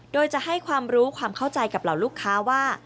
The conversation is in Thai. โดยจะให้ความรู้ความเข้าใจกับเหล่าลูกค้าว่า